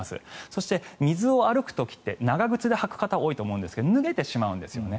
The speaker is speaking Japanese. そして、水を歩く時って長靴を履く方って多いと思うんですが脱げてしまうんですよね。